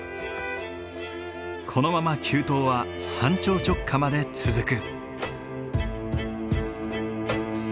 このまま急登は山頂直下まで続く。